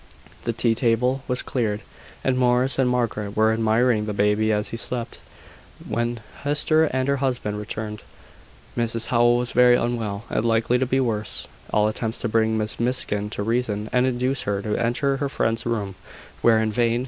The tea table was cleared, and Morris and Margaret were admiring the baby as he slept, when Hester and her husband returned. Mrs Howell was very unwell, and likely to be worse. All attempts to bring Miss Miskin to reason, and induce her to enter her friend's room, were in vain.